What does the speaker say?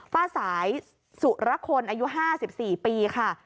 ป้าสายสุรคนอายุ๕๔ปีค่ะ